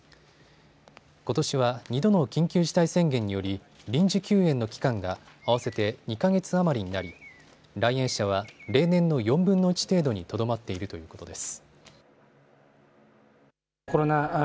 ことしは２度の緊急事態宣言により臨時休園の期間が合わせて２か月余りになり来園者は例年の４分の１程度にとどまっているということです。